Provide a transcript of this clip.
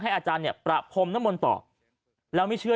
อาจารย์เนี่ยประพรมนมลต่อแล้วไม่เชื่อ